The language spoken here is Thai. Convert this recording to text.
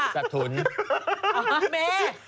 สัตว์ทุนอ๋อเม่